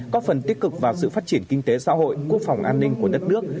có phần tích cực vào sự phát triển kinh tế xã hội quốc phòng an ninh của đất nước